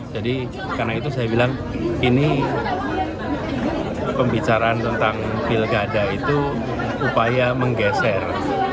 jadi karena itu saya bilang ini pembicaraan tentang pilgada itu upaya menggeser